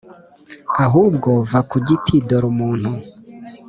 Ahubwo va ku giti dore umuntu: